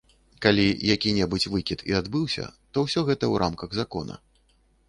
Калі які-небудзь выкід і адбыўся, то ўсё гэта ў рамках закона.